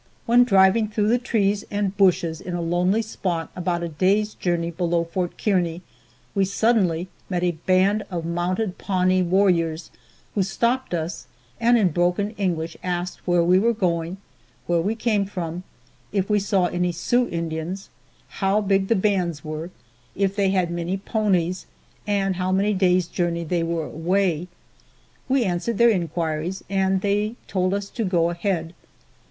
When driving through the trees and bushes in a lonely spot about a day's journey below Fort Kearney, we suddenly met a band of mounted Pawnee warriors, who stopped us and in broken English asked where we were going, where we came from, if we saw any Sioux Indians, how big the bands were, if they had many ponies and how many days' journey they were away. We answered their inquiries, and they told us to go ahead.